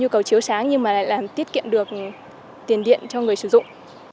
chiếu sáng nhưng mà lại làm tiết kiệm được tiền điện cho người sử dụng